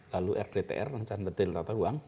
lalu rdtr rencana detail tata ruang